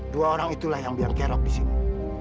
dua orang itulah yang biang kerok di sini